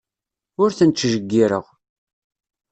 Ur ten-ttjeyyireɣ.